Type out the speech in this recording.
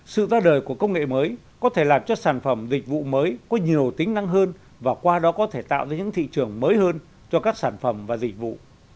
sự ra đời của công nghệ mới có thể làm cho sản phẩm dịch vụ mới có nhiều tính năng hơn và qua đó có thể tạo ra những thị trường mới hơn cho các sản phẩm và dịch vụ